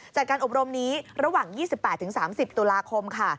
จากการอบรมนี้ระหว่าง๒๘๓๐ตุลาคมค่ะ